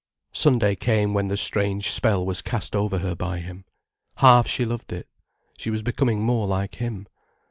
Sunday came when the strange spell was cast over her by him. Half she loved it. She was becoming more like him.